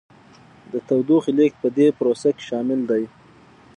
د تودوخې لیږد په دې پروسه کې شامل دی.